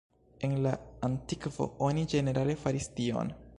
En la antikvo oni ĝenerale faris tion.